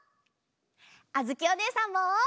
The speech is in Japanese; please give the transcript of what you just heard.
あづきおねえさんも！